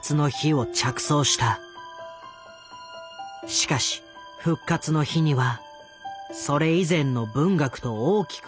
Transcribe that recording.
しかし「復活の日」にはそれ以前の文学と大きく異なる点がある。